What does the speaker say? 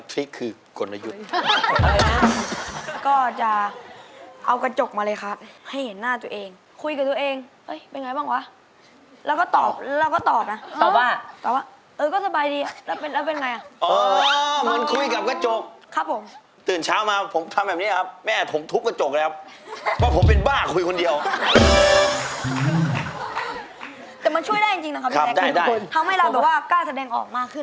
ทริคก็คือกลยุทธ์ครับผม